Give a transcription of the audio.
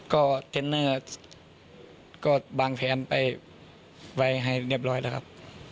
ก็ทเนอร์ก็ฟังแผนเวล้ไฟล์ให้เรียบร้อยล่ะครับ